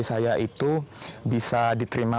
saya itu bisa diterima